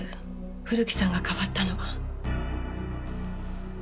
古木さんが変わったのは。